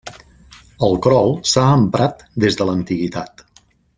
El crol s'ha emprat des de l'antiguitat.